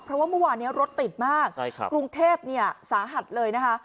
เพราะว่าเมื่อวานนี้รถติดมากกรุงเทพเนี่ยสาหัสเลยนะคะ